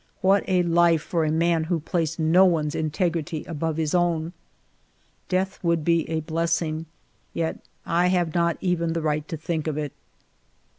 ... What a life for a man who placed no one's integrity above his own ! Death would be a blessing, yet I have not even the right to think of it